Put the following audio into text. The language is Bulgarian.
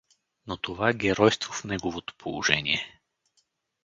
Но това е геройство в неговото положение!